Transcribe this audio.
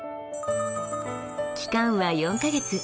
期間は４か月。